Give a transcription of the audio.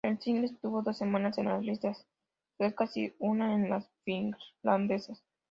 El single estuvo dos semanas en las listas suecas y una en las finlandesas.